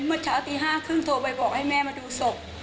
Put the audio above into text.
เมื่อเช้าตี๕๓๐โทรไปบอกให้แม่มาดูศพ